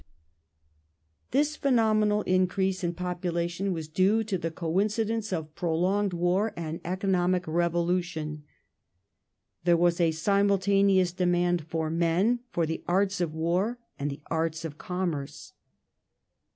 1822] FOREIGN TRADE 19 This phenomenal increase in population was due to the coincidence of prolonged war and economic revolution. There was a simul taneous demand for men for the arts of war and the arts of commerce.